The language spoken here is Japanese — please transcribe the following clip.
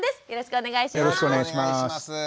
よろしくお願いします。